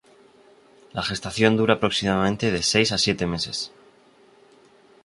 La gestación dura aproximadamente de seis a siete meses.